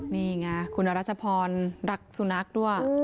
นี่ไงคุณอรัชพรรักสุนัขด้วย